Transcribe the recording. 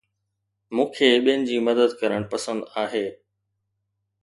مون کي ٻين جي مدد ڪرڻ پسند آهي